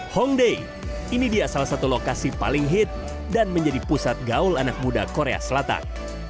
hongday ini dia salah satu lokasi paling hit dan menjadi pusat gaul anak muda korea selatan